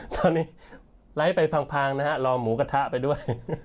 ตอนนี้ไลค์ไปพังนะฮะรอหมูกระทะไปด้วย